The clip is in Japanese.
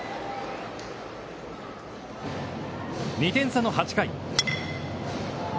２点差の８回。